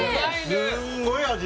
すんごい味